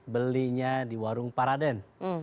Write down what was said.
belinya di warung paraden